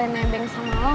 gue boleh nebeng sama lo gak